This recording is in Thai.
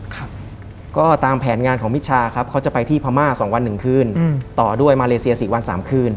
ครับก็ตามแผนงานของมิชชาครับเขาจะไปที่พม่า๒วัน๑คืนต่อด้วยมาเลเซีย๔วัน๓คืน